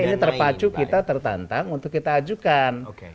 ini terpacu kita tertantang untuk kita ajukan